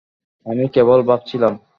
আমি কেবল ভাবছিলাম।